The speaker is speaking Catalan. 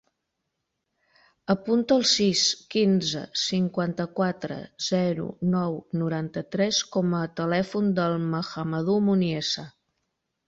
Apunta el sis, quinze, cinquanta-quatre, zero, nou, noranta-tres com a telèfon del Mahamadou Muniesa.